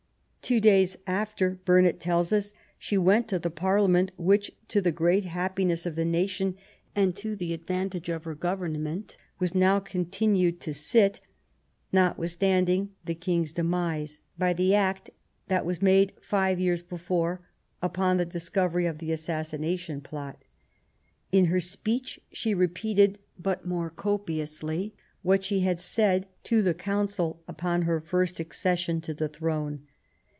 " Two days after," Burnet tells us, " she went to the Parliament, which, to the great happiness of the nation, and to the advantage of her government, was now continued to sit, notwithstanding the King's 10 THE WOMAN BORN TO BE QUEEN demise^ by the act that was made five years before, upon the discovery of the assassination plot. In her speech she repeated, but more copiously, what she had said to the council upon her first accession to the throne.